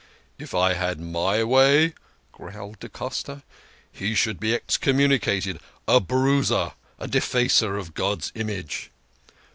" If I had my way," growled da Costa, " he should be excommunicated a bruiser, a defacer of God's image